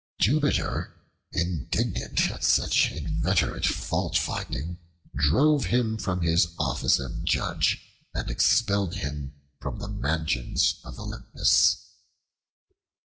Jupiter, indignant at such inveterate faultfinding, drove him from his office of judge, and expelled him from the mansions of Olympus.